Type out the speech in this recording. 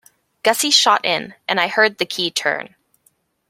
Gussie shot in, and I heard the key turn.